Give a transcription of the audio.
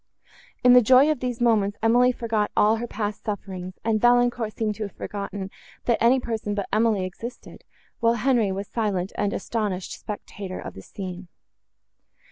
In the joy of these moments, Emily forgot all her past sufferings, and Valancourt seemed to have forgotten, that any person but Emily existed; while Henri was a silent and astonished spectator of the scene.